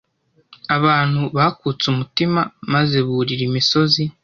Abantu bakutse umutima maze burira imisozi.